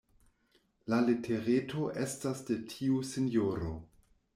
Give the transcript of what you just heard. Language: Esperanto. La letereto estas de tiu sinjoro.